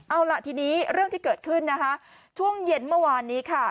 เอาล่ะทีนี้เรื่องที่เกิดขึ้นนะคะช่วงเย็นเมื่อวานนี้ค่ะ